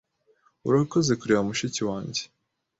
Urakoze kureba mushiki wanjye.